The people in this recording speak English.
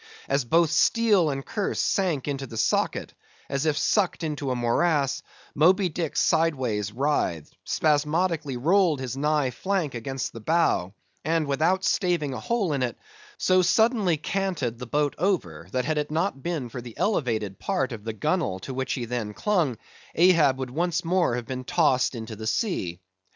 As both steel and curse sank to the socket, as if sucked into a morass, Moby Dick sideways writhed; spasmodically rolled his nigh flank against the bow, and, without staving a hole in it, so suddenly canted the boat over, that had it not been for the elevated part of the gunwale to which he then clung, Ahab would once more have been tossed into the sea.